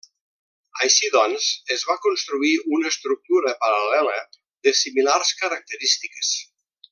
Així doncs, es va construir una estructura paral·lela de similars característiques.